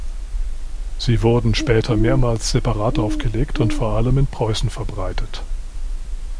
Sie wurden später mehrmals separat aufgelegt und vor allem in Preußen verbreitet.